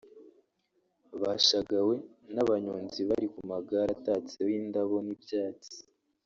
bashagawe n’abanyonzi bari ku magare atatseho indabo n’ibyatsi